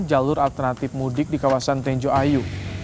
jalur alternatif mudik di kawasan tenjo ayu